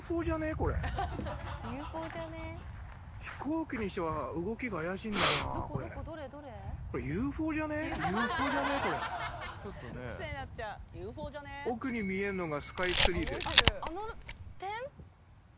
これ・奥に見えるのがスカイツリーです